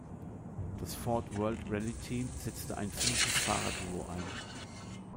Das Ford World Rally Team setzte ein finnisches Fahrer-Duo ein.